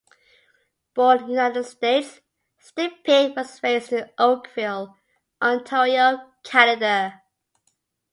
Born in the United States, Stipich was raised in Oakville, Ontario, Canada.